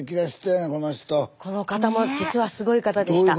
この方も実はすごい方でした。